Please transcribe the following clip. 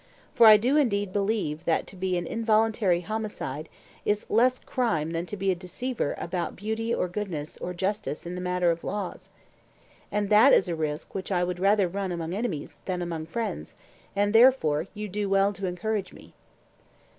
For I do indeed believe that to be an involuntary homicide is a less crime than to be a deceiver about beauty or goodness or justice in the matter of laws. And that is a risk which I would rather run among enemies than among friends, and therefore you do well to encourage me.